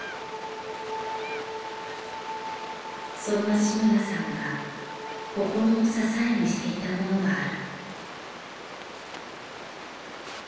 そんな志村さんが心の支えにしていたものがある。